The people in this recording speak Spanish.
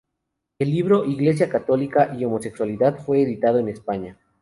El libro "Iglesia católica y homosexualidad" fue editado en España.